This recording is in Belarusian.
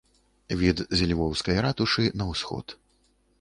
Від з львоўскай ратушы на ўсход.